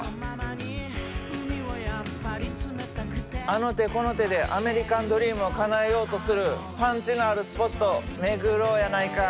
あの手この手でアメリカンドリームをかなえようとするパンチのあるスポットを巡ろうやないか！